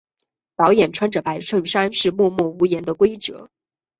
导演穿着白衬衫是默默无言的规则。